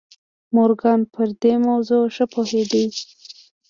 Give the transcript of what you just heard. مورګان پر دې موضوع ښه پوهېده.